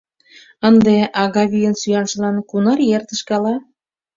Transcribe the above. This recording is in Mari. Ынде Агавийын сӱанжылан кунар ий эртыш гала...